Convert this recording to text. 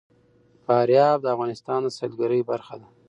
فاریاب د افغانستان د سیلګرۍ برخه ده.